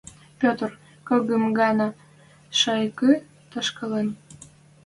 Петр, кок-кым гӓнӓ шайыкы ташкалын